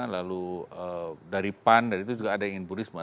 lalu dari pan juga ada yang ingin bu risma